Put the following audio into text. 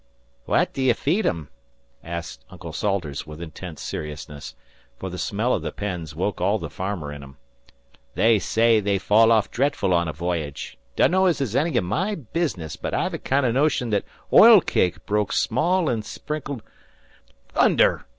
"What d' ye feed 'em?" said Uncle Salters with intense seriousness, for the smell of the pens woke all the farmer in him. "They say they fall off dretful on a v'yage. Dunno as it's any o' my business, but I've a kind o' notion that oil cake broke small an' sprinkled " "Thunder!"